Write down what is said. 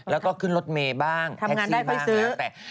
แล้วก็ขึ้นรถเมย์บ้างแท็กซี่บ้างแล้วแต่